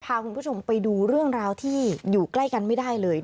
พาคุณผู้ชมไปดูเรื่องราวที่อยู่ใกล้กันไม่ได้เลย